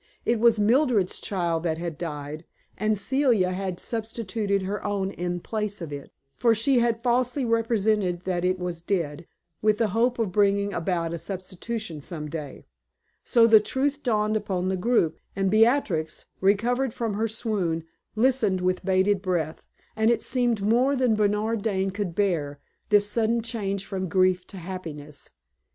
It was Mildred's child that had died, and Celia had substituted her own in place of it. For she had falsely represented that it was dead, with the hope of bringing about a substitution some day. So the truth dawned upon the group, and Beatrix, recovered from her swoon, listened with bated breath, and it seemed more than Bernard Dane could bear this sudden change from grief to happiness.